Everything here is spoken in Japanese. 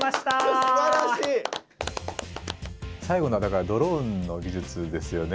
最後のはドローンの技術ですよね。